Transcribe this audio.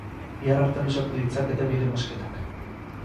Bihar arte luzatu ditzakete bide mozketak.